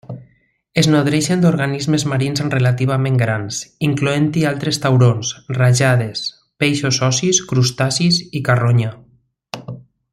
Es nodreixen d'organismes marins relativament grans, incloent-hi altres taurons, rajades, peixos ossis, crustacis i carronya.